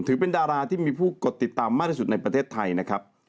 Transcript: ถือเป็นดาราที่มีผู้กดติดตามมากที่สุดในประเทศไทยนะครับ